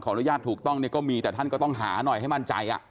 อนุญาตถูกต้องเนี่ยก็มีแต่ท่านก็ต้องหาหน่อยให้มั่นใจ